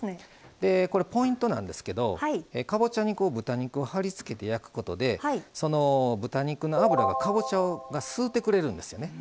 これ、ポイントなんですけどかぼちゃに豚肉をはりつけて焼くことで豚肉の脂をかぼちゃが吸うてくれるんですよね。